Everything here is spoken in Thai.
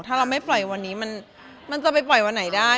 ถ้าเราไม่ปล่อยวันนี้มันจะไปปล่อยวันไหนได้